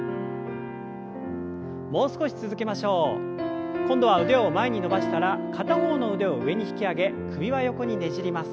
もう少し続けましょう。今度は腕を前に伸ばしたら片方の腕を上に引き上げ首は横にねじります。